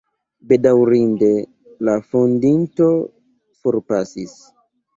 Bedaŭrinde, la fondinto forpasis.